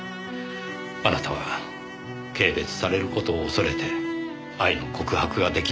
あなたは軽蔑される事を恐れて愛の告白ができなかった。